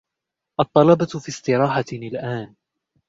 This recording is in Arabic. الطلبة في استراحة الآن.